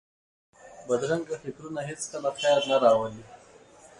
بدرنګه فکرونه هېڅکله خیر نه راولي